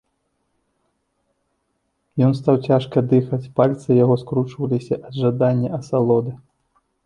Ён стаў цяжка дыхаць, пальцы яго скручваліся ад жадання асалоды.